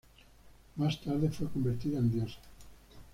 Más tarde fue convertida en diosa.